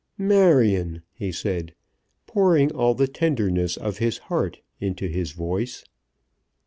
"Marion," he said, pouring all the tenderness of his heart into his voice.